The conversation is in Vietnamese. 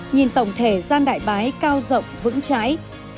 nhìn tổng thể gian đại bái cao rộng vững trái